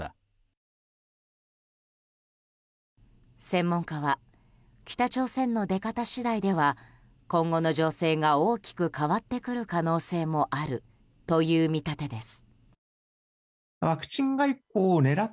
専門家は北朝鮮の出方次第では今後の情勢が大きく変わってくる可能性もあるという見立てです。